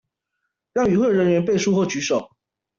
讓與會人員背書或舉手